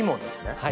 はい。